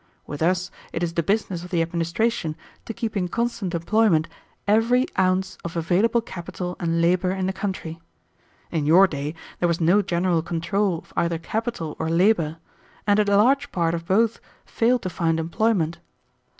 With us it is the business of the administration to keep in constant employment every ounce of available capital and labor in the country. In your day there was no general control of either capital or labor, and a large part of both failed to find employment.